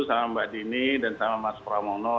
sama mbak dini dan sama mas pramono